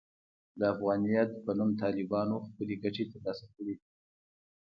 د افغانیت پر نوم طالبانو خپلې ګټې ترلاسه کړې دي.